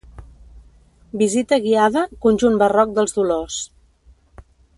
Visita guiada "Conjunt barroc dels Dolors"